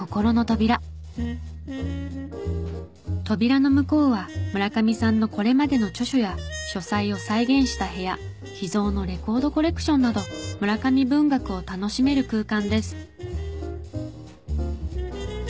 扉の向こうは村上さんのこれまでの著書や書斎を再現した部屋秘蔵のレコードコレクションなど村上文学を楽しめる空間です。